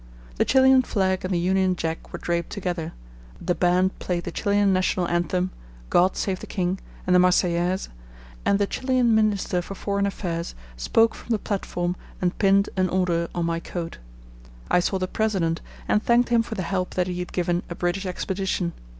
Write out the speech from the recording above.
The Chilian flag and the Union Jack were draped together, the band played the Chilian national anthem, "God Save the King," and the "Marseillaise," and the Chilian Minister for Foreign Affairs spoke from the platform and pinned an Order on my coat. I saw the President and thanked him for the help that he had given a British expedition.